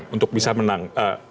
untuk bisa menang